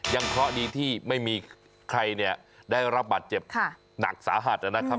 ยังเพราะดีที่ไม่มีใครได้รับบัตรเจ็บหนักสาหัสนะครับ